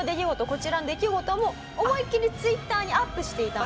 こちらの出来事も思いっきりＴｗｉｔｔｅｒにアップしていたんです。